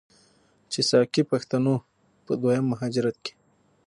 چې ساکي پښتنو په دویم مهاجرت کې،